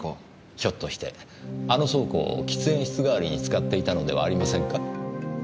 ひょっとしてあの倉庫を喫煙室代わりに使っていたのではありませんか？